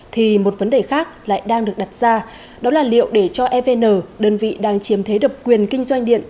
thì một vấn đề khác lại đang được đặt ra đó là liệu để cho evn đơn vị đang chiếm thế độc quyền kinh doanh điện